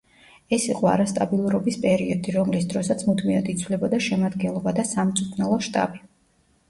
ეს იყო არასტაბილურობის პერიოდი, რომლის დროსაც მუდმივად იცვლებოდა შემადგენლობა და სამწვრთნელო შტაბი.